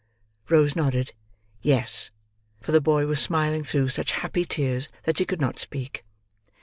Rose nodded "yes," for the boy was smiling through such happy tears that she could not speak.